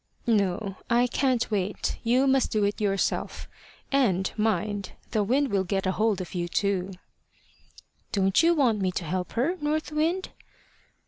"No, I can't wait; you must do it yourself. And, mind, the wind will get a hold of you, too." "Don't you want me to help her, North Wind?"